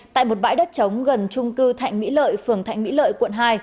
tại một bãi đất trống gần trung cư thạnh mỹ lợi phường thạnh mỹ lợi quận hai